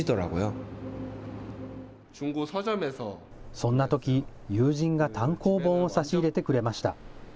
そんなとき、友人が単行本を差し入れてくれました。